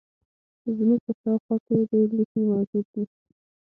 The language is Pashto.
زموږ په شاوخوا کې ډیر لوښي موجود دي.